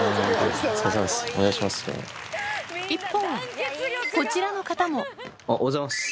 一方こちらの方もおはようございます。